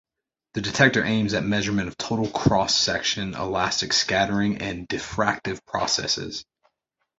The detector aims at measurement of total cross section, elastic scattering, and diffractive processes.